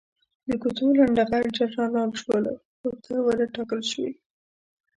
د کوڅو لنډه غر جنرالان شول، خو ته ونه ټاکل شوې.